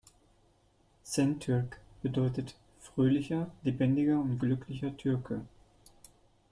Şentürk bedeutet „fröhlicher, lebendiger und glücklicher Türke“.